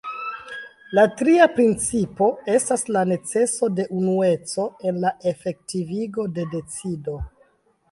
La tria principo estas la neceso de unueco en la efektivigo de decido.